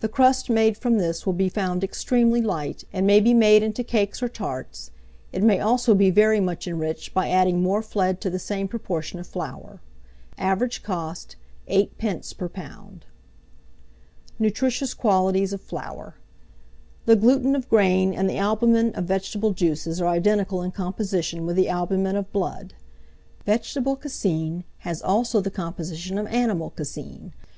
The crust made from this will be found extremely light, and may be made into cakes or tarts; it may also be very much enriched by adding more flead to the same proportion of flour. Average cost, 8d. per lb. NUTRITIOUS QUALITIES OF FLOUR. The gluten of grain and the albumen of vegetable juices are identical in composition with the albumen of blood. Vegetable caseine has also the composition of animal caseine.